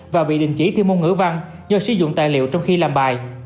và bị đình chỉ thi môn ngữ văn do sử dụng tài liệu trong khi làm bài